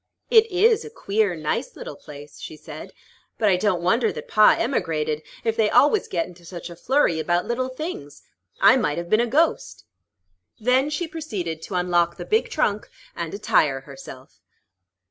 "It is a queer, nice little place," she said. "But I don't wonder that pa emigrated, if they always get into such a flurry about little things. I might have been a ghost." Then she proceeded to unlock the big trunk, and attire herself.